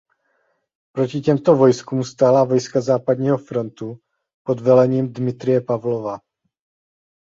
Proti těmto vojskům stála vojska Západního frontu pod velením Dmitrije Pavlova.